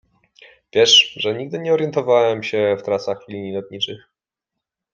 Wiesz, że nigdy nie orientowałem się w trasach linii lotniczych.